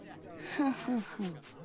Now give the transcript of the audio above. フフフ。